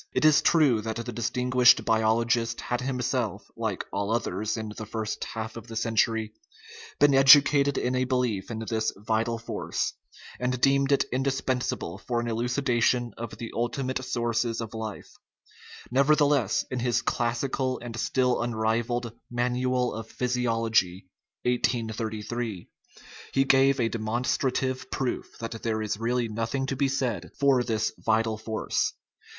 It is true that the distinguished biologist had him self (like all others in the first half of the century) been educated in a belief in this vital force, and deemed it indispensable for an elucidation of the ulti mate sources of life; nevertheless, in his classical and still unrivalled Manual of Physiology (1833) he gave a demonstrative proof that there is really nothing to be said for this vital force.